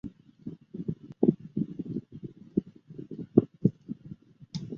一人一万日元